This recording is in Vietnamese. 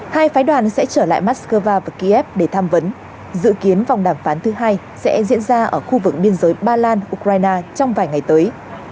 hai phái đoàn sẽ trở lại moscow và kiev để tham vấn dự kiến vòng đàm phán thứ hai sẽ diễn ra ở khu vực biên giới ba lan ukraine trong vài ngày tới